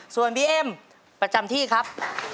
ส่วนบีเอ็มประจำที่ครับ